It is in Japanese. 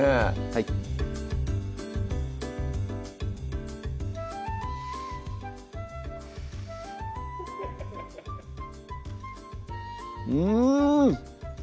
はいうん！